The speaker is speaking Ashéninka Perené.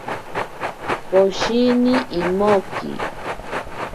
Poshini imoki.